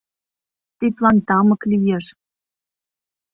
— Тидлан тамык лиеш!